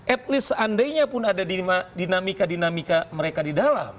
at least seandainya pun ada dinamika dinamika mereka di dalam